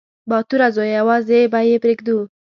_باتوره زويه! يوازې به يې پرېږدو.